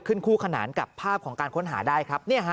คู่ขนานกับภาพของการค้นหาได้ครับ